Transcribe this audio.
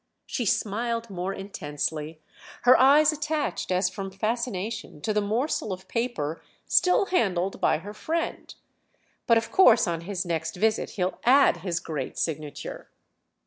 She smiled more intensely, her eyes attached, as from fascination, to the morsel of paper still handled by her friend. "But of course on his next visit he'll add his great signature."